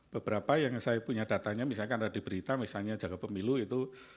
beberapa yang saya punya datanya misalkan ada di berita misalnya jaga pemilu itu